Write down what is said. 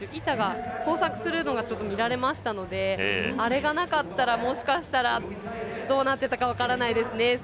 板が交錯するのが見られましたのであれがなかったらもしかしたらどうなってたか分からないですね。